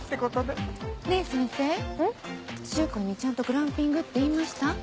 柊君にちゃんとグランピングって言いました？